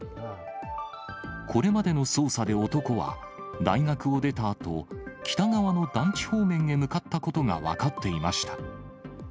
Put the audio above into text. これまでの捜査で男は、大学を出たあと、北側の団地方面へ向かったことが分かっていました。